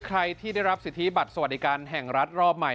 ใครที่ได้รับสิทธิบัตรสวัสดิการแห่งรัฐรอบใหม่